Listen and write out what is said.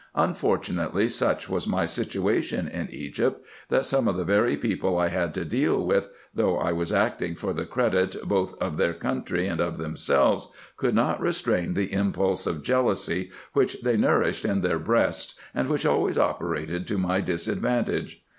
Unfortunately such was my situation in Egypt, that some of the very people I had to deal with, though I was acting for the credit both of their country and of themselves, could not restrain the impulse of jealousy, which they nourished in their breasts, and which always operated to my disadvantage.